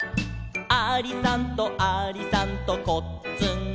「ありさんとありさんとこっつんこ」